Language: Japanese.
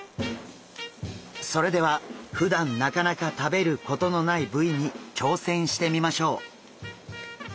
それではふだんなかなか食べることのない部位に挑戦してみましょう！